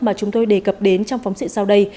mà chúng tôi đề cập đến trong phóng sự sau đây